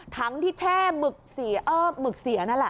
ทั้งที่แช่หมึกหมึกเสียนั่นแหละ